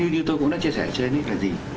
như tôi cũng đã chia sẻ ở trên là gì